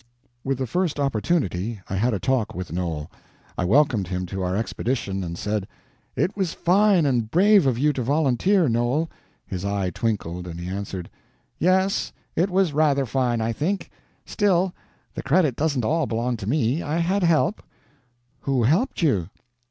With the first opportunity, I had a talk with Noel. I welcomed him to our expedition, and said: "It was fine and brave of you to volunteer, Noel." His eye twinkled, and he answered: "Yes, it was rather fine, I think. Still, the credit doesn't all belong to me; I had help." "Who helped you?"